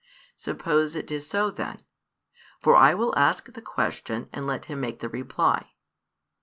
Suppose it is so then. For I will ask the question, and let him make the reply.